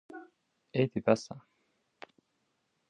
êdî bes e